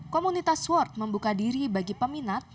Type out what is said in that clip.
komunitas sword membuka diri bagi peminat